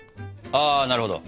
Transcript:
ああなるほど。